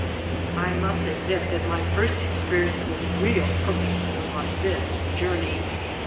I must admit that my first experience with real cooking was on this journey.